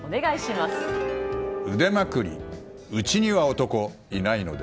「腕まくりうちには男いないので！」。